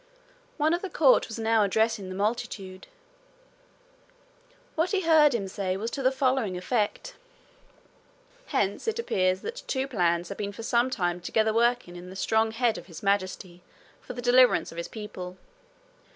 One of the court was now addressing the multitude. What he heard him say was to the following effect: 'Hence it appears that two plans have been for some time together working in the strong head of His Majesty for the deliverance of his people.